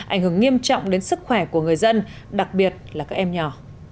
ảnh hưởng nghiêm trọng đến sức khỏe của người dân đặc biệt là các em nhỏ